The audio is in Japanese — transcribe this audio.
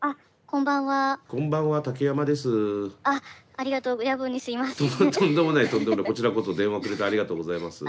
こちらこそ電話くれてありがとうございます。